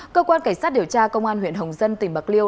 cơ quan cảnh sát điều tra công an huyện hồng dân tỉnh bạc liêu